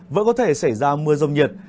vẫn có thể xảy ra mưa rông nhiệt